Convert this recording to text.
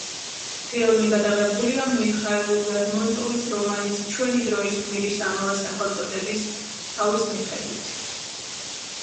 ფილმი გადაღებულია მიხაილ ლერმონტოვის რომანის „ჩვენი დროის გმირის“ ამავე სახელწოდების თავის მიხედვით.